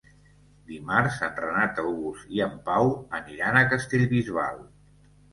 Dimarts en Renat August i en Pau aniran a Castellbisbal.